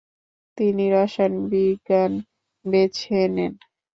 তিনি রসায়ন বিজ্ঞান বেছে নেন।